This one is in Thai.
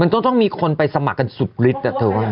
เออมันต้องมีคนไปสมัครกันสุดฤทธิ์อ่ะเธอว่า